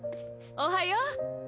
おはよう。